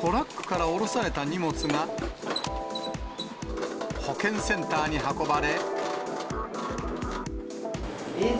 トラックから降ろされた荷物が、保健センターに運ばれ。